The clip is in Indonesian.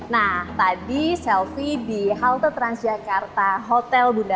nah tadi selfie di halte transjakarta hotel bunda